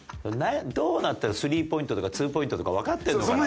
どうなったら３ポイントとか２ポイントとかわかってるのかな？